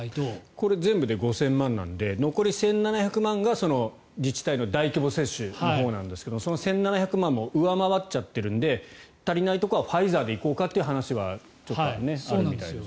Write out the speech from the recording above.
これは全部で５０００万なので残り１７００万が自治体の大規模接種のほうですがその１７００万も上回っちゃってるんで足りないところはファイザーで行こうかという話はちょっとあるみたいですけどね。